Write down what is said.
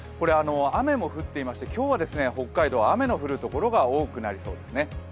雨も降っていまして、今日は北海道、雨の降るところが多くなりそうですね。